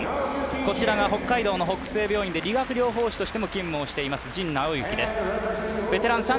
こちらが北海道の北星病院で理学療法士としても勤務している。